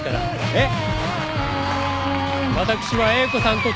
えっ？